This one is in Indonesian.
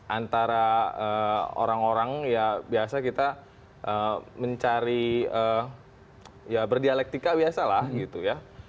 antara orang orang ya biasa kita mencari ya berdialektika biasa lah gitu ya